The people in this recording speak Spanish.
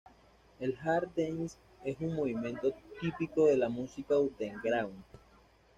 El "hard dance" es un movimiento típico de la música underground.